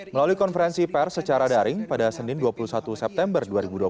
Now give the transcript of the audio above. melalui konferensi pers secara daring pada senin dua puluh satu september dua ribu dua puluh satu